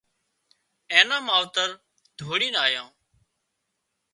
اين نا ماوتر ڌوڙينَ آيان